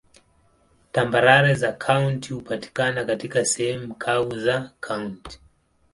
Tambarare za kaunti hupatikana katika sehemu kavu za kaunti.